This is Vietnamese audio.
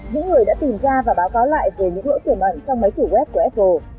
những người đã tìm ra và báo cáo lại về những lỗi tuyển ẩn trong mấy thủ web của apple